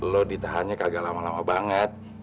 lo ditahannya kagak lama lama banget